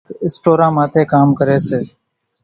ڪانڪ اِسٽوران ماٿيَ ڪام ڪريَ سي۔